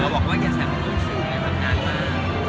บอกว่าสรรค์มันรู้สึกจากทำงานมา